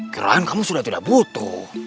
keran kamu sudah tidak butuh